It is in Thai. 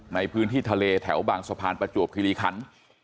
ในพื้นที่ทะเลแถวบางสะพานประจวบคิริคัน